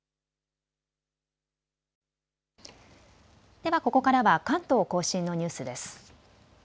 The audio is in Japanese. ではここからは関東甲信のニュースです。